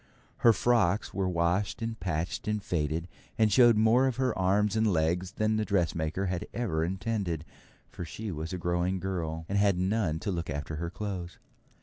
Her frocks were washed and patched and faded, and showed more of her arms and legs than the dressmaker had ever intended, for she was a growing girl, and had none to look after her clothes.